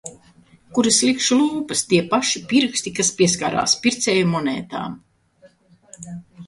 Kur es likšu lūpas, tie paši pirksti, kas pieskarās pircēju monētām...